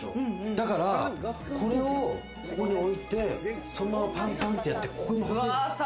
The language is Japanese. だからこれをここにおいて、そのままパンパンってやって、ここに。